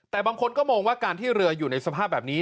แต่บางคนก็มองว่าการที่เรืออยู่ในสภาพแบบนี้